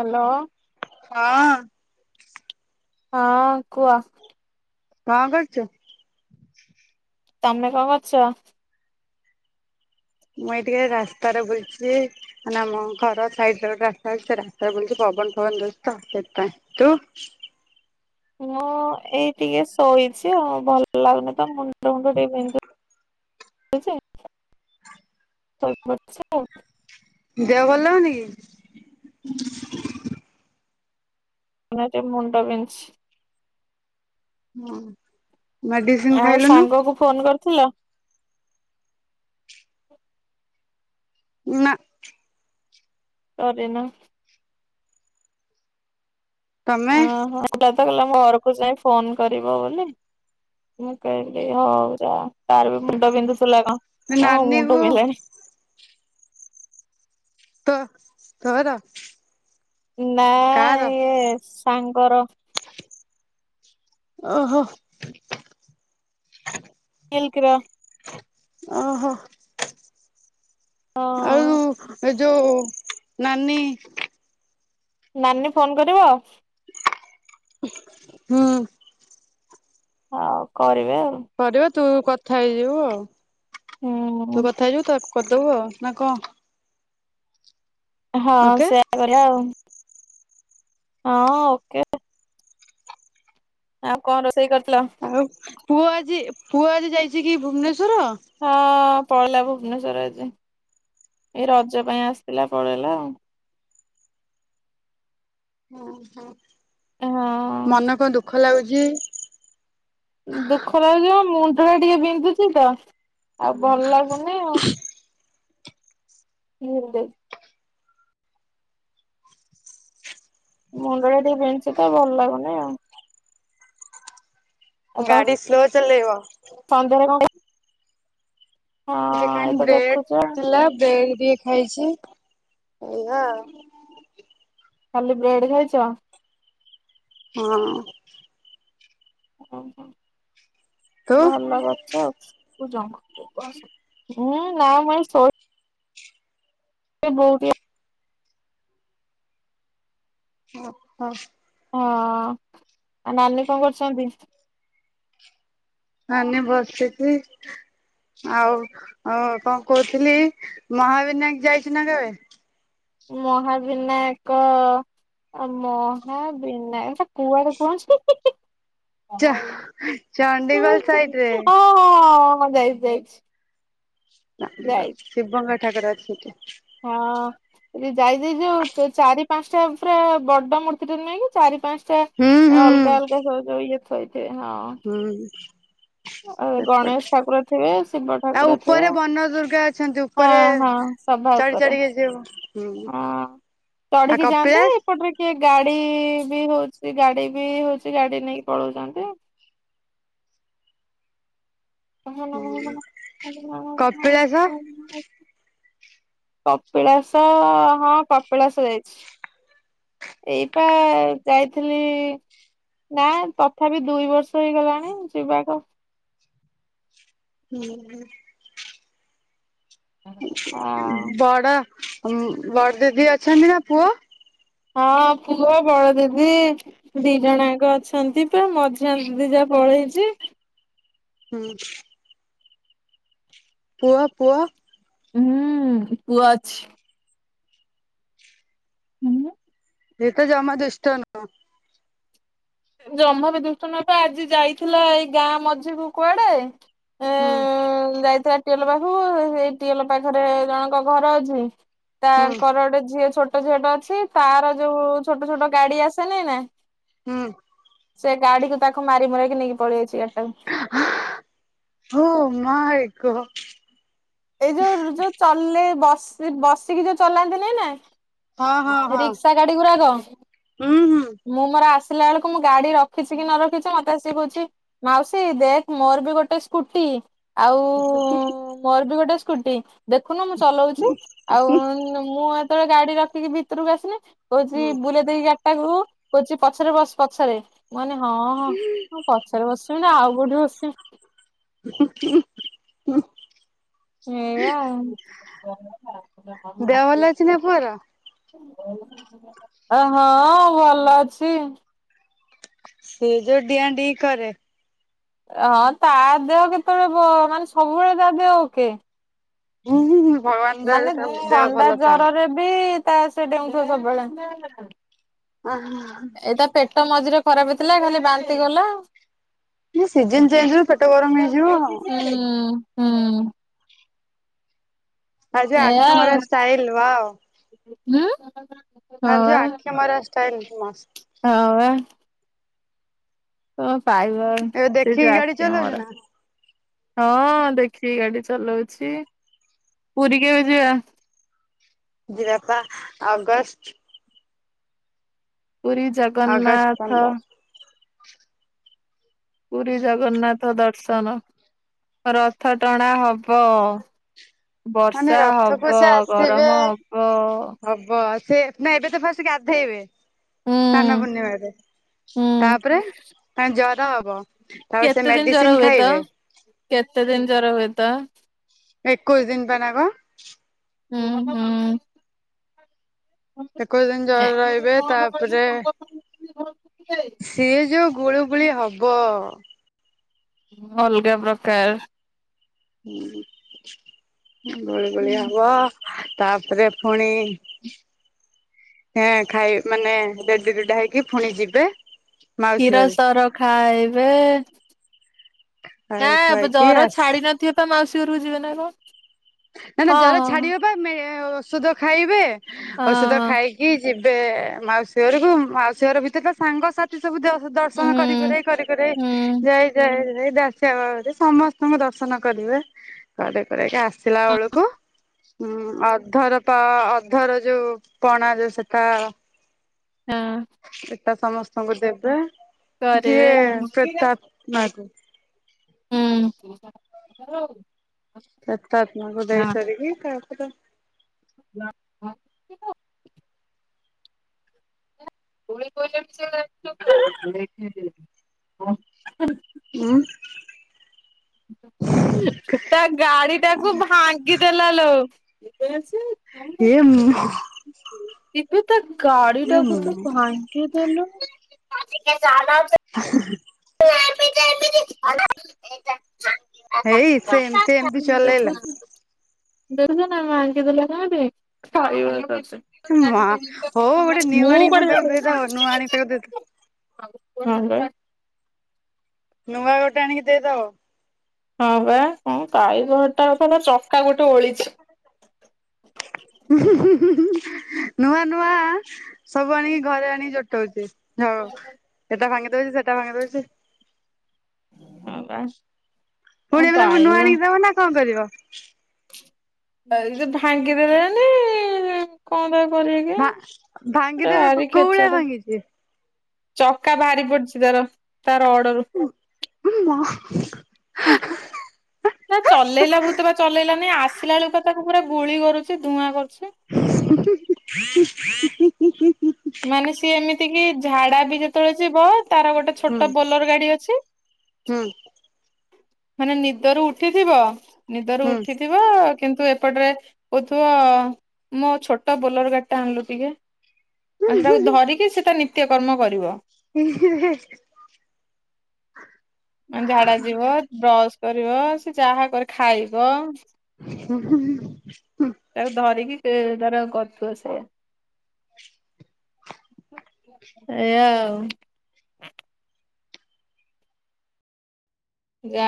Hello. ହଁ। ହଁ କୁହ? କଣ କରୁଛୁ? ତମେ କଣ କରୁଛ? ମୁଁ ଏଇ ଟିକେ ରାସ୍ତାରେ ବୁଲୁଛି। ଆମ ଘର ସାାଇଟିରେ ଯୋଉ ରାସ୍ତା ଅଛି ସେ ରାସ୍ତାରେ ବୁଲୁଚି ପବନ ଫବନ ଦଉଛିତ ସେଇଥିପାଇଁ ତୁ? ମୁଁ ଏଇ ଟିକେ ଶୋଇଛି ଆଉ ଭଲ ଲାଗୁନି ତ ମୁଣ୍ଡ ମୁଣ୍ଡ ଟିକେ ବିନ୍ଧୁ ବିନ୍ଧୁଛି? ଶୋଇ ପଡିଛି ଆଉ ଦେହ ଭଲ ଲାଗୁନି କି? ନା ଟିକେ ମୁଣ୍ଡ ବିନ୍ଧୁଛି। ହଁ। ମେଡିସିନ ଆଉ ଖାଇଲୁନୁ ସାଙ୍ଗ କୁ ଫୋନ କରିଥିଲ? ନା। କରିନ? ତମେ ଓହୋ କହିଲା ଘରକୁ ଯାଇ ଫୋନ କରିବ ବୋଲି ମୁଁ କହିଲି ହଉ ଯା ତାର ବି ମୁଣ୍ଡ ପିନ୍ଧୁଥିଲା କଣ କହିଲା ନାନୀ ମୁଣ୍ଡ କୁ ବିନ୍ଧିଲାଣି ତୋ ତୋର ନାଁ। କାର ଏ ସାଙ୍ଗର ଓହୋ। ମିଲ୍ଲୀକ ର ଓହୋ ହଁ ଆଳୁ ଏ ଯୋଉ ନାନୀ। ନାନୀ ଫୋନ କରିବ। ହୁଁ। ଆଉ କରିବେ ଆଉ କରିବା ତୁ କଥା ହେଇଯିବୁ ଆଉ ହୁଁ ତୁ କଥା ହେଇଯିବୁ ତ କରିଦେବୁ ନା କଣ? ହଁ ଓକେ। ସେଇଆ କରିବା ଆଉ ହଁ ଓକେ। ଆଉ କଣ ରୋଷେଇ କରିଥିଲ? ଆଉ ପୁଅ ଆଜି ପୁଅ ଆଜି ଯାଇଛି କି ଭୁବନେଶ୍ଵର? ହଁ ପଳେଇଲା ଭୁବନେଶ୍ଵର ଆଜି ଏ ରଜ ପାଇଁ ଆସିଥିଲା ପଳେଇଲା ଆଉ। ହଁ ହଁ ହଁ ମନ କଣ ଦୁଃଖ ଲାଗୁଛି? ଦୁଃଖ ଲାଗୁଛି ମୁଣ୍ଡ ଟା ଟିକେ ବିନ୍ଧୁଛି ତ ଆଉ ଭଲ ଲାଗୁନି ଆଉ। କେମିଦି। ମୁଣ୍ଡଟା ଟିକେ ଵିନ୍ଧୁଛି ତ ଭଲ ଲାଗୁନି ଆଉ। ଆଉ ତମେ ଗାଡି ସ୍ଲୋ ଚଲେଇବ। ସନ୍ଧ୍ୟାରେ ହଁ ଏଇତ ବ୍ରେଡ଼ ଦେଖୁଛ ଥିଲା ବ୍ରେଡ଼ ବି ଖାଇଛି ହେଲା ଆଉ। ଖାଲି ବ୍ରେଡ୍ ଖାଇଛ? ହଁ। ହଁ ତୁ ଆଉ ଭଲ ଗଛ। ଏଁ ନା ମୁଇଁ ଶୁଇ [inaudible] ଅ ହ। ହଁ ଆଉ ନାନୀ କଣ କରୁଛନ୍ତି? ନାନି ବସିଛି। ଆଉ ଅଁ କଣ କହୁଥିଲି ମହାବିନାୟକ ଯାଇଛୁ ନା କେବେ? ମହାବିନାୟକ। ଆ ମହାବିନା ଇଟା କୁଆଡେ ପହଞ୍ଚି ଚ ହଁ ଚଣ୍ଡିଖୋଲ ହଁ ସାଇଡ ରେ ହଁଁ ମୁଁ ଯାଇଛି ଯାଇଛି। ନ ଯାଇଛି ଶିବଙ୍କ ଠାକୁର ଅଛି ସେଇଠି। ହଁ। ଯାଇ ଯାଇ ଯୋଉ ଚାରି ପାଞ୍ଚଟା ପୁରା ବଡ ମୂର୍ତ୍ତିଟେ ନାହିଁ ଚାରି ପାଞ୍ଚ ସେ ହୁଁ ହୁଁ ଅଲଗା ଅଲଗା ସବୁ ଯଉ ଇଏ ଥୋଇଥିବେ ହଁ। ହୁଁ। ଆ ଗଣେଶ ସେପଟେ ଠାକୁର ଥିବେ ଶିବ ଆଉ ଠାକୁର ଥିବେ। ଉପରେ ବନ ଦୁର୍ଗା ଅଛନ୍ତି ହଁ ଉପରେ ହଁ ସଭା ଚଢି ଉପରେ ଚଢିକି ଯିବୁ ହୁଁ ହ ଆଉ ଚଢିକି ଯାଆନ୍ତେ। କପିଳାସ ଏପଟରେ କିଏ ଗାଡି ବି ହଉଛି ଗାଡି ବି ହଉଛି ଗାଡି ନେଇକି ପଳଉଛନ୍ତି। କପିଳାସ [inaudible] କପିଳାସ ହଁ କପିଳାସ ଯାଇଛି। ଏଇପା ଯାଇଥିଲି। ନା ତଥାପି ଦୁଇ ବର୍ଷ ହେଇଗଲାଣି ଯିବାର। ହୁଁ ହୁଁ। ହଁ ବଡ ବଡ ଦିଦି ଅଛନ୍ତି ନା ପୁଅ। ହଁ ପୁଅ ବଡ ଦିଦି। ଦି ଜଣ ଆକ ଅଛନ୍ତି ବା ମଝିଆ ଦିଦି ଯା ପଳେଇଛି। ହୁଁ। ପୁଅ ପୁଅ। ହୁଁ ପୁଅ ଅଛି। ହୁଁ। ଏତ ଜମା ଦୁଷ୍ଟ ନୁ ଜମା ବି ଦୁଷ୍ଟ ନଥିଲା, ଆଜି ଯାଇଥିଲା ଏଇ ଗାଁ ମଝିକୁ କୁଆଡେ ଏ ନୁହଁ ଯାଇଥିଲା ଟିଅଲ ପାଖକୁ, ସେଇ ଟିଅଲ ପାଖରେ ଜଣଙ୍କ ଘର ଅଛି-' ହୁଁ ତାଙ୍କର ଗୋଟେ ଝିଅ ଛୋଟ ଝିଅ ଟେ ଅଛି। ତାର ଯୋଉ ଛୋଟ ଛୋଟ ଗାଡି ଆସେନିନା ହୁଁ। ସେ ଗାଡିକୁ ତାକୁ ମାରି ମୁରାକି ନେଇକି ପଳେଇଆଇଚି ଗାଡ଼ିଟାକୁ। ଓ ମାଇଁ ଗଡ୍। ଏଇ ଯୋଉ ଯୋଉ ଚଲେ ବସି-ବସିକି ଯୋଉ ଚଲାନ୍ତିନି ନା ହଁ ହଁ ହଁ ରିକ୍ସା ଗାଡି ଗୁଡାକ ହୁଁ ହୁଁ ମୁଁ ମୋର ଆସିଲା ବେଳକୁ ମୁଁ ଗାଡି ରଖିଛି କି ନ ରଖିଛି ମତେ ଆସିକି କହୁଛି ମାଉସୀ ଦେଖ୍ ମୋର ବି ଗୋଟେ ସ୍କୁଟି। ଆଉ ମୋର ବି ଗୋଟେ ସ୍କୁଟି। ଦେଖୁନ ମୁଁ ଚଲଉଛି। ଆଉ ମୁଁ ଏତେବେଳେ ଗାଡି ରଖିକି ଭିତରକୁ ଆସିନି କହୁଛି ହୁଁ ବୁଲେଇ ଦେଇକି ଗାଡି ଟାକୁ କହୁଛି ପଛରେ ବସ୍ ପଛରେ। ମୁଁ କହିନି ହଁ। ମୁଁ ପଛରେ ବସିବିନା ଆଉ କୋଉଠି ବସିବି। [unintelligible] ଏୟା ଦେହ ଭଲ ଆଉ। ଅଛି ନା ପୁଅର? ଏ ହଁ ଭଲ ଅଛି। ସେଏ ଯୋଉ ଡ଼ିଆ ଡିଇଁ କରେ। ହଁ ତା ଦେହ କେତେବେଳେ ବ ମାନେ ସବୁବେଳେ ତା ଦେହ ଓକେ। ହୁଁ ହୁଁ ହୁଁ ଭଗବାନ ଦୟାରୁ ମାନେ ତା ଦେହ ଥଣ୍ଡା ଭଲ ଥାଉ। ଜରରେ ବି ତା ସେ ଡେଉଁଥିବ ସବୁବେଳେ। ଆଃହାଁ। ଏଇ ତା ପେଟ ମଝିରେ ଖରାପ ହେଇଥିଲା ଖାଲି ବାନ୍ତି କଲା। ଏନା ସିଜିନ୍ ଚେଞ୍ଜ୍ ହ ପେଟ ଗରମ ହେଇଯିବ ହୁଁ ଆଉ। ହୁଁ। ତାର ଯୋଉ ଆଖି ମରା ଷ୍ଟାଇଲ୍ ୱାଉ। ଉଁ। ତାର ଯୋଉ ଆଖି ମରା ଷ୍ଟାଇଲ୍ ମସ୍ତ। ହଁ ବା। କଣ ପାଇବ ଏବେ ସେ ଯୋଉ ଦେଖିକି ଗାଡି ଆଖି ଚଲଉଛୁ ମରା। ନା ହଁ ଦେଖିକି ଗାଡି ଚଲାଉଛି। ପୁରୀ କେବେ ଯିବା? ଯିବାପା ଅଗଷ୍ଟ ପୁରୀ ଅଗଷ୍ଟ ଜଗନ୍ନାଥ ପନ୍ଦର ପୁରୀ ଜଗନ୍ନାଥ ଦର୍ଶନ। ରଥ ଟଣା ହବ। ମାନେ ବର୍ଷା ରଥକୁ ହବ। ସେ ଆସିବେ ଗରମ ହବ। ହବ ଆ ସେ ନା ଏବେ ତ ଫାଷ୍ଟ୍ ଗାଧେଇବେ। ହୁଁ ସ୍ନାନ ପୂର୍ଣ୍ଣିମାରେ। ହୁଁ। ତାପରେ ତାଙ୍କୁ ଜର ହବ। ତାପରେ ସେ କେତେ ଦିନ୍ ମେଡିସିନ ଜର ହୁଏ ତ? ଖାଇବେ କେତେ ଦିନ୍ ଜର ହୁଏ ତ। ଏକଉସୀ ଦିନ୍ ପା ନା କଣ? ହୁଁ ହୁଁ। ଏକଉସୀ ଦିନ୍ ଜର ରହିବେ। ତାପରେ ସିଏ ଯୋଉ ଗୁଳୁ ଗୁଳି ହବ। ଅଲ୍ଗା ପ୍ରକାର। ହୁଁ, ଗୁଳୁ ଗୁଳି ହବ। ତା ପରେ ଫୁଣି ହାଁ ଖାଇ ମାନେ ରେଡି ରୁଡା ହେଇକି ଫୁଣି ଯିବେ। ମାଉସୀ କ୍ଷୀର ଘରୁ ସର ଖାଇବେ। ନା ଖାଇ [unintelligible] ଖୁଆଇକି ଜର ଛାଡି ଆସି ନଥିବ ପା ମାଉସୀ ଘରକୁ ଯିବେ ନା କଁ। ନା ନା ଜର ଛାଡିବ ପା ମେ ଓଷଦ ଖାଇବେ ହଁ ଔଷଦ ହଁ ଖାଇ କି ଯିବେ ମାଉସୀ ଘରୁକୁ ମାଉସୀ ଘର ଭିତରେ ତ ସାଙ୍ଗସା ଥି ସବୁ ଦଶ ଦର୍ଶନ କରି ହୁଁ କୁରାକି କରି ହୁଁ କୁରାକି ଯାଇ ଯାଇ ଯାଇ ଏଇ ଦା ସିଆ ବାଉରୀ ସମସ୍ତୁଙ୍କୁ ଦର୍ଶନ କରିବେ କରି କୁରାକି ଆସିଲା ବେଳୁକୁ ଉଁ ଅଧର ପ ଅଧର ଯୋଉ ପଣା ଯୋଉ ସେଟା ହୁଁ। ଏଟା ସମସ୍ତଙ୍କୁ ଦେବେ ଯିଏ କରିବେ ପ୍ରେତଆତ୍ମା ହେଇଥିବେ। ହୁଁ। ପ୍ରେତଆତ୍ମାକୁ ଦେଇ ସାରିକି ତାପରେ [inaudible] ଉଁ ତା ଗାଡି ଟାକୁ ଭାଙ୍ଗି ଦେଲା ଲୋ। ହେ ମ ଇବେ ତା ଗାଡିଟାକୁ ତୁ ହେଇ ଭାଙ୍ଗିଦେଲୁ। [inaudible] [inaudible] ସେ ଏମିତି ଏମିତି ଚଲେଇଲା [inaudible] ଦେଲୁନା ଭାଙ୍ଗି ଦେଲେ କେନ୍ତି ଖାଇବ ତତେ। ମା ହଉ ଗୋଟେ ନ୍ୟୁ ମୁଁ ଆଣିକି ପୁଣି କୁଆଡେ ତାକୁ ଦେଇଦବ ନୂଆ ଯାଇପାରିବିନି ଆଣିକି [inaudible] ତାକୁ ଦେଇଦବ ହାଲୋ ନୂଆ ଗୋଟେ ଆଣିକି ଦେଇଦବ। ହଁ ବା କଁ କଇବ ତା ଗୋଟେ ନୁଅଁ ଚକା ଗୋଟେ ଓଳିଛି। ଉଁହୁଁ ହୁଁ ହୁଁ ହୁଁ ନୂଆ ନୂଆ ସବୁ ଆଣିକି ଘରେ ଆଣିକି ଜୋଟଉଚି ଯଉ ଏଟା ଭାଙ୍ଗି ଦଉଚି ସେଟା ଭାଙ୍ଗି ଦଉଛି ହଁ ବା। କଣ ଫୁଣି ଏବେ ତାକୁ ନୂଆ ଆଣିକି ଦବ ନା କଁ କରିବ? ଆଉ ଯଦି ଭାଙ୍ଗି ଦେଲେଣି କଁ ତାକୁ କରିବେ କେଜାଣି ଭା ଏଟା ଭାଙ୍ଗିଦେବେ ଭାରି କୋଉ ଭଳିଆ ଖେଚଡ। ଭାଙ୍ଗିଛି ଚକା ବାହାରି ପଡିଚି ତାର ତାର ରଡରୁ। ଏ ମା [inaudible] ତାକୁ ଚଲେଇଲା ଭୁତର ଚଲେଇଲାନି ଆସିଲା ବେଳୁକୁ ପା ତାକୁ ପୁରା ଗୁଳି କରୁଚି ଧୂଆଁ କରୁଛି। ମାନେ ସିଏ ଏମିତି କି ଝାଡା ବି ଯେତେବେଳେ ଯିବ ତାର ଗୋଟେ ଛୋଟ ବୋଲର ଗାଡି ଅଛି। ହୁଁ। ମାନେ ନିଦରୁ ଉଠିଥିବ ନିଦରୁ ହୁଁ ଉଠିଥିବ କିନ୍ତୁ ଏପଟରେ କହୁଥୁବ ମୋ ଛୋଟ ବୋଲର ଗାଡିଟା ଆଣିଲୁ ଟିକେ। ଆଉ ସେଟାକୁ ଧରିକି ସେ ତା ନିତ୍ୟକର୍ମ କରିବ। ଉଁ ହୁଁ ହେଁ। ମାନେ ଝାଡା ଯିବ ବ୍ରଶ କରିବ ସେ ଯାହା କରେ ଖାଇବ ହୁଁ-ହୁଁ-ହୁଁ ତାକୁ ଧରିକି ସେ ତାର କରୁଥୁବ ସେୟା। ଏଇଆ ଆଉ ଗା